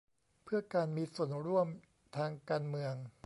เพื่อการมีส่วนร่วมทางการเมือง